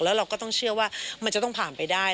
แล้วเราก็ต้องเชื่อว่ามันจะต้องผ่านไปได้